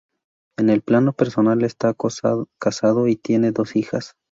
En el plano personal está casado y tiene dos hijas.